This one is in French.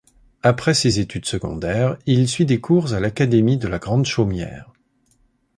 Après ses études secondaires, il suit des cours à l'Académie de la Grande Chaumière.